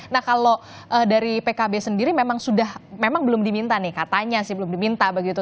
nah kalau dari pkb sendiri memang sudah memang belum diminta nih katanya sih belum diminta begitu